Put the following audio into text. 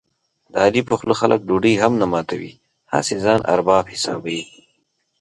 د علي په خوله خلک ډوډۍ هم نه ماتوي، هسې ځان ارباب حسابوي.